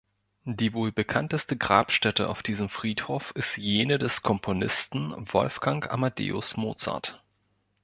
Die wohl bekannteste Grabstätte auf diesem Friedhof ist jene des Komponisten Wolfgang Amadeus Mozart.